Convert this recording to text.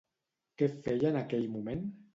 Què feia en aquell moment?